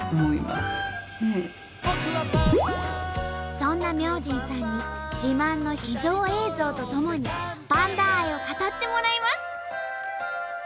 そんな明神さんに自慢の秘蔵映像とともにパンダ愛を語ってもらいます。